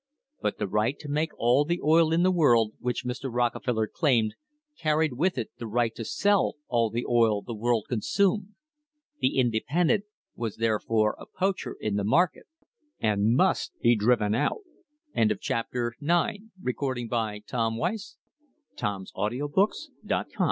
But the right to make all the oil in the world, which Mr. Rockefeller claimed, carried with it the right to sell all the oil the world consumed. The independent was therefore a poacher in the market and must be driven out. CHAPTER TEN CUTTING TO KILL ROCKEFELLER NOW